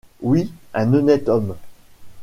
Oui, un honnête homme.